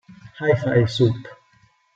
Hi-Five Soup!